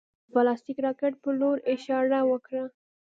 هغه د پلاستیکي راکټ په لور اشاره وکړه